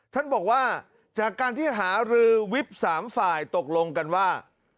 ท่านบอกว่าจากการที่หารือวิบสามฝ่ายตกลงกันว่า